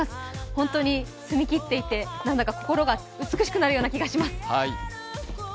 本当に澄み切っていてなんだか心が美しくなるような気がします。